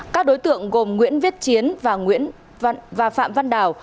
các đối tượng gồm nguyễn viết chiến và phạm văn đào